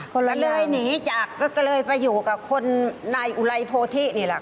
ก็เลยหนีจากก็เลยไปอยู่กับคนนายอุไลโพธินี่แหละ